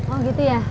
oh gitu ya